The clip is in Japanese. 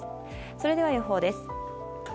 それでは予報です。